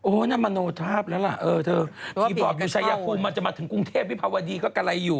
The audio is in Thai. โอ้น่ามาโนทราบแล้วล่ะที่บอกวิวชายภูมิจะมาถึงกรุงเทพฯวิภาวดีก็กำไรอยู่